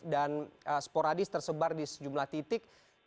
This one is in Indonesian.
dan sporadis tersebar di sejumlah titik